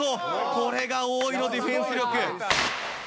これが多井のディフェンス力。